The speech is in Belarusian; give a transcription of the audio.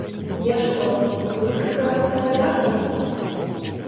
Я што, буду прыкрывацца палякам?